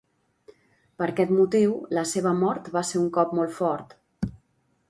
Per aquest motiu la seva mort va ser un cop molt fort.